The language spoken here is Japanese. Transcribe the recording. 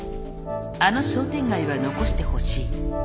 「あの商店街は残してほしい」